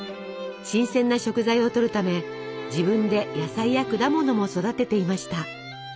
新鮮な食材をとるため自分で野菜や果物も育てていました。